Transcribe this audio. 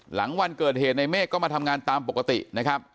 หลังวันเกิดเหตุในเมฆก็มาทำงานตามปกตินะครับ